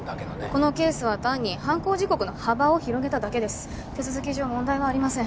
このケースは単に犯行時刻の幅を広げただけです手続き上問題はありません